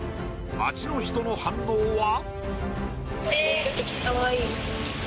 街の人の反応は？